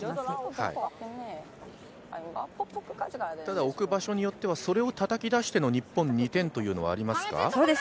ただ置く場所によってはそれをたたき出しての日本２点というのはありますか？